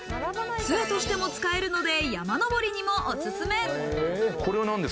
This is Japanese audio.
杖としても使えるので、山登りにもおすすめ。